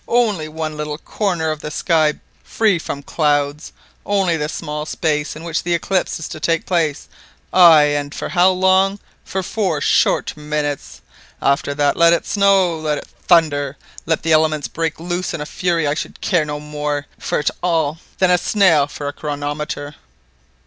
"Only one little corner of the sky free from clouds! only the small space in which the eclipse is to take place ! And for how long? For four short minutes! After that, let it snow, let it thunder, let the elements break loose in fury, I should care no more for it all than a snail for a chronometer."